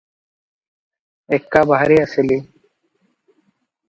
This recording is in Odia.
ଏକାବାହାରି ଆସିଲି ।